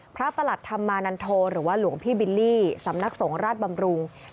ประหลัดธรรมานันโทหรือว่าหลวงพี่บิลลี่สำนักสงฆ์ราชบำรุง